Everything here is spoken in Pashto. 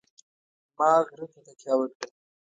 ما غره ته تکیه وکړه.